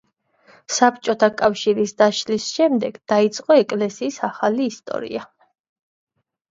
საბჭოთა კავშირის დაშლის შემდეგ დაიწყო ეკლესიის ახალი ისტორია.